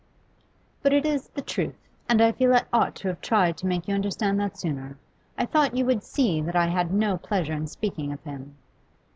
'But it is the truth, and I feel I ought to have tried to make you understand that sooner. I thought you would see that I had no pleasure in speaking of him.